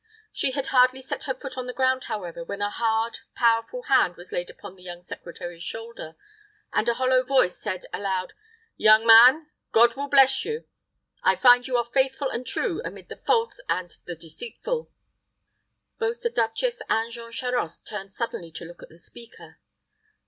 She had hardly set her foot to the ground, however, when a hard, powerful hand was laid upon the young secretary's shoulder, and a hollow voice said, aloud, "Young man, God will bless you. I find you are faithful and true amid the false and the deceitful." Both the duchess and Jean Charost turned suddenly to look at the speaker.